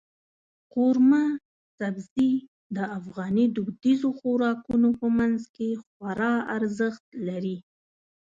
قورمه سبزي د افغاني دودیزو خوراکونو په منځ کې خورا ارزښت لري.